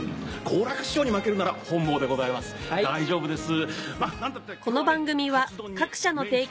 好楽師匠に負けるなら本望でございます大丈夫です。